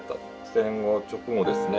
戦後直後ですね。